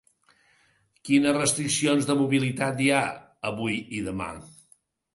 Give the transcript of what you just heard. Quines restriccions de mobilitat hi ha avui i demà?